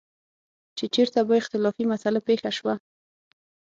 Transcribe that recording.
چې چېرته به اختلافي مسله پېښه شوه.